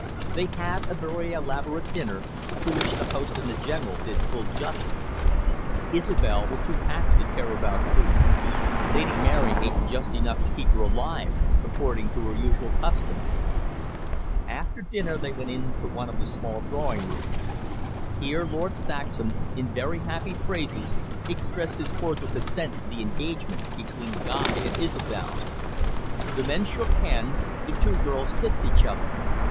They had a very elaborate dinner, to which the host and the General did full justice. Isobel was too happy to care about food. Lady Mary ate just enough to keep her alive, according to her usual custom. After dinner they went into one of the small drawing rooms. Here Lord Saxham, in very happy phrases, expressed his cordial consent to the engagement between Guy and Isobel. The men shook hands, the two girls kissed each other.